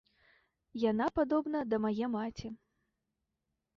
Яна падобна да мае маці.